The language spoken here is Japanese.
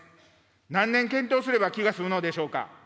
何年検討すれば気が済むのでしょうか。